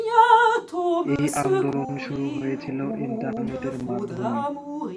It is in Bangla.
এই আন্দোলন শুরু হয়েছিল ইন্টারনেটের মাধ্যমে।